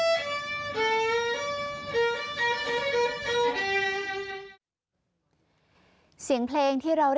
เพื่อให้มีการแชร์ไปในสังคมออนไลน์เป็นจำนวนมากค่ะ